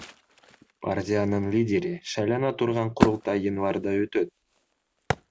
Партиянын лидери шайлана турган курултай январда өтөт.